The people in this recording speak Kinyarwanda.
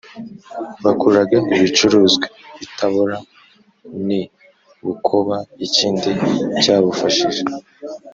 Bakuraga ibicuruzwa i Tabora n i Bukoba Ikindi cyabufashije